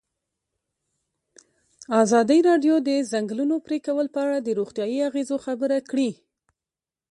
ازادي راډیو د د ځنګلونو پرېکول په اړه د روغتیایي اغېزو خبره کړې.